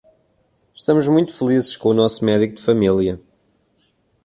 Estamos muito felizes com o nosso médico de família.